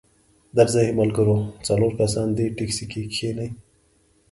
درځئ ملګرو څلور کسان دې ټیکسي کې کښینئ.